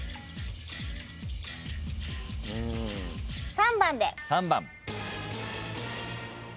３番で。